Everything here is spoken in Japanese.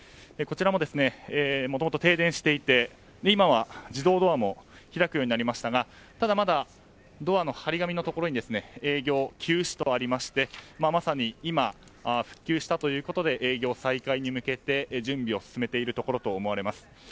こちらも、もともと停電していて今は自動ドアも開くようになりましたがただまだドアの張り紙のところに営業休止とありましてまさに今復旧したということで、営業再開に向けて準備を進めているものとみられます。